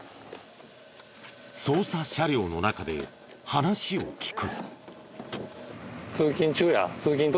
捜査車両の中で話を聞く。